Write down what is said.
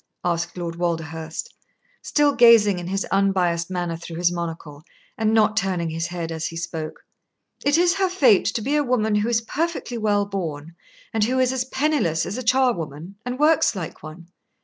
asked Lord Walderhurst, still gazing in his unbiassed manner through his monocle, and not turning his head as he spoke. "It is her fate to be a woman who is perfectly well born, and who is as penniless as a charwoman, and works like one.